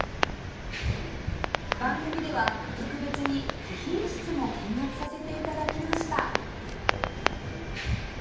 番組では特別に貴賓室も見学させて頂きました